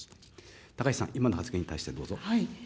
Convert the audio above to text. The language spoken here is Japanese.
高市さん、今の発言に対してどうぞ。